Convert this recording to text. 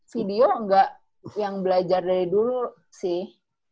video nggak yang belajar dari dulu sih